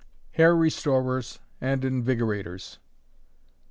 _Hair Restorers and Invigorators.